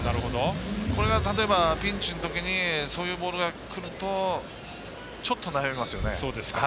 これがピンチのときにそういうボールがくるとちょっと悩みますよね。